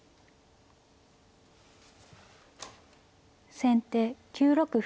先手９六歩。